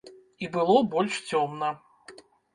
І было больш цёмна.